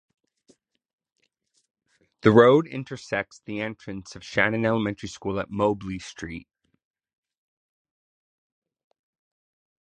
The road intersects the entrance of Shannon Elementary School at Mobley Street.